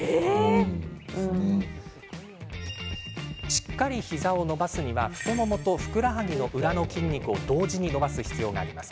しっかり膝を伸ばすには太ももとふくらはぎの裏の筋肉を同時に伸ばす必要があります。